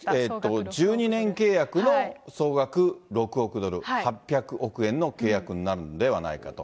えっと１２年契約の総額６億ドル、８００億円の契約になるんではないかと。